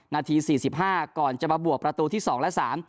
นาที๔๕ก่อนจะมาบวกประตูที่๒และ๓